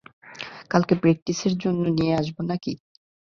কালকে প্র্যাকটিসের জন্য নিয়ে আসবো নাকি?